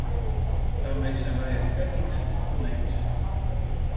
Daarmee zijn wij het pertinent oneens.